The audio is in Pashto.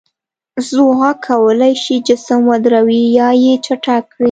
ځواک کولی شي جسم ودروي یا یې چټک کړي.